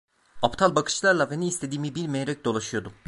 Aptal bakışlarla ve ne istediğimi bilmeyerek dolaşıyordum.